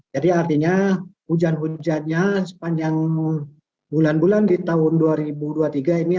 jadi artinya hujan hujannya sepanjang bulan bulan di tahun dua ribu dua puluh tiga ini